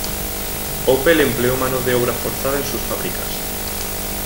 Opel empleó mano de obra forzada en sus fábricas.